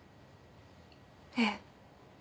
ええ。